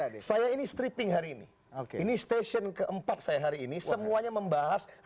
menarik saya ini stripping hari ini ini stesen keempat saya hari ini semuanya membahas rekonsiliasi